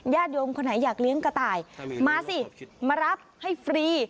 ญาติโยมคนไหนอยากเลี้ยงกระต่ายมาสิมารับให้ฟรี